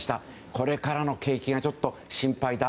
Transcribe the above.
これからの景気がちょっと心配だ。